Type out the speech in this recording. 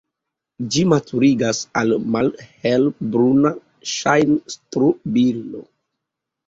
Ĝi maturiĝas al malhelbruna ŝajn-strobilo.